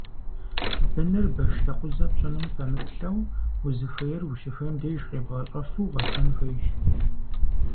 Быныр, башдэкъузэ пщӀыным пэмыплъэу, узыхуейр ущыхуейм деж къебгъэщӀэфу гъэсэн хуейщ.